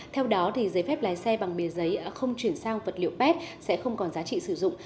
theo đó giấy phép lái xe bằng bia giấy không chuyển sang vật liệu pet sẽ không còn giá trị sử dụng